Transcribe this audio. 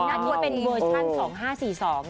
อันนี้เป็นเวอร์ชั่น๒๕๔๒นะ